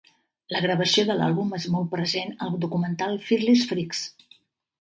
La gravació de l'àlbum és molt present al documental "Fearless Freaks".